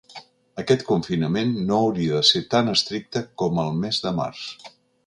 Aquest confinament no hauria de ser tan estricte com al mes de març.